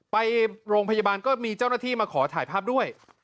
ไปโรงพยาบาลก็มีเจ้าหน้าที่มาขอถ่ายภาพด้วย